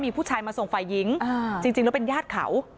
มีผู้ชายมาส่งฝ่ายหญิงจริงแล้วเป็นญาติเขา